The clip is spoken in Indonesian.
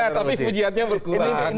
boleh tapi pujiannya berkurang